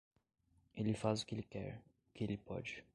Ele faz o que ele quer, o que ele pode.